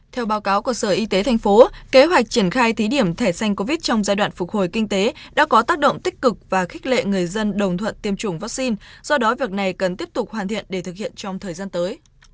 theo báo cáo của sở y tế thành phố kế hoạch triển khai thí điểm thẻ xanh covid trong giai đoạn phục hồi kinh tế đã có tác động tích cực và khích lệ người dân đồng thuận tiêm chủng vaccine do đó việc này cần tiếp tục hoàn thiện để thực hiện trong thời gian tới